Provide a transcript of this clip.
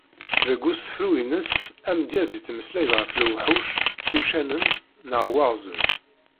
Deg usefru ines, amedyaz ittmeslay-d ɣef lewḥuc, uccanen neɣ Waɣzen.